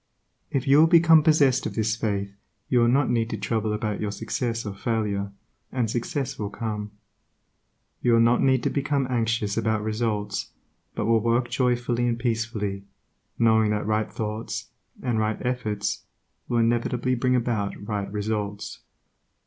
If you will become possessed of this faith you will not need to trouble about your success or failure, and success will come. You will not need to become anxious about results, but will work joyfully and peacefully, knowing that right thoughts and right efforts will inevitably bring about right results.